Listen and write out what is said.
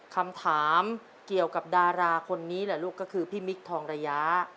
คำถามเกี่ยวกับดาราคนนี้แหละลูกก็คือพี่มิคทองระยะ